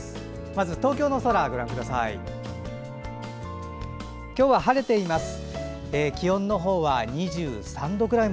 まず東京の空、ご覧ください。